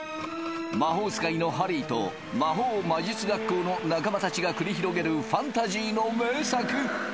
魔法使いのハリーと魔法魔術学校の仲間達が繰り広げるファンタジーの名作